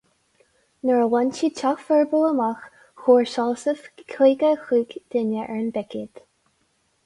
Nuair a bhain siad Teach Furbo amach, chomhair Seosamh caoga a cúig duine ar an bpicéad.